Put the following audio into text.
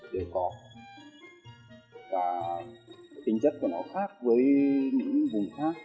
đều có tính chất của nó khác với những vùng khác